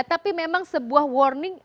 tapi memang sebuah warning